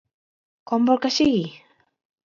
Com vol que sigui?